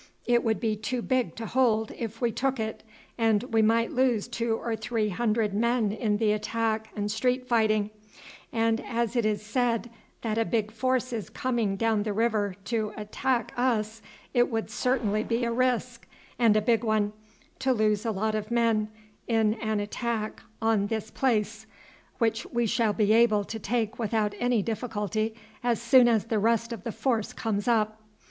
It would be too big to hold if we took it, and we might lose two or three hundred men in the attack and street fighting; and as it is said that a big force is coming down the river to attack us, it would certainly be a risk, and a big one, to lose a lot of men in an attack on this place, which we shall be able to take without any difficulty as soon as the rest of the force comes up.